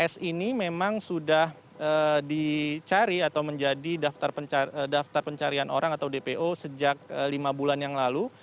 s ini memang sudah dicari atau menjadi daftar pencarian orang atau dpo sejak lima bulan yang lalu